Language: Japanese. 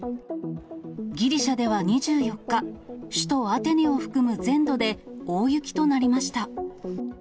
ギリシャでは２４日、首都アテネを含む全土で、大雪となりました。